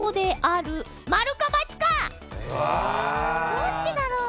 どっちだろう？